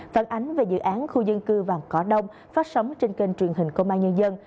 phản ánh về dự án khu dân cư vàng cỏ đông phát sóng trên kênh truyền hình công an nhân dân